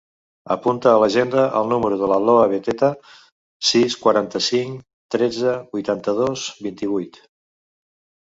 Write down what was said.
Apunta a l'agenda el número de la Noa Beteta: sis, quaranta-cinc, tretze, vuitanta-dos, vint-i-vuit.